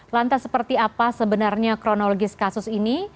lantas seperti apa sebenarnya kronologis kasus ini